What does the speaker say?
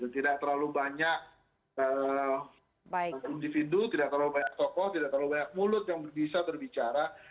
tidak terlalu banyak individu tidak terlalu banyak tokoh tidak terlalu banyak mulut yang bisa berbicara